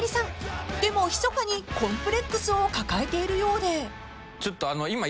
［でもひそかにコンプレックスを抱えているようで］